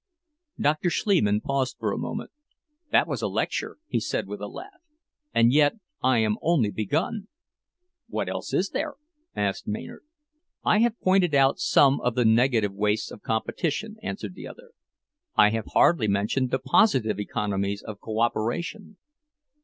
Dr. Schliemann paused for a moment. "That was a lecture," he said with a laugh, "and yet I am only begun!" "What else is there?" asked Maynard. "I have pointed out some of the negative wastes of competition," answered the other. "I have hardly mentioned the positive economies of co operation.